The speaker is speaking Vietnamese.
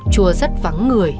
chùa rất vắng người